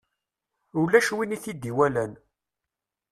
Ulac win i t-id-iwalan.